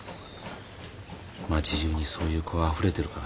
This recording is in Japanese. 町じゅうにそういう子はあふれてるからね。